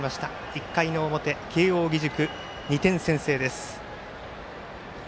１回の表、慶応義塾２点先制です。